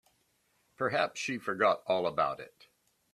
Perhaps she forgot all about it.